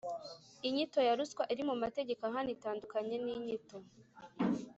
inyito ya ruswa iri mu mategeko ahana itandukanye n‘inyito